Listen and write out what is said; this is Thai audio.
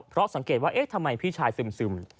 เพราะสังเกตว่าเอ๊ะทำไมพี่ชายซึม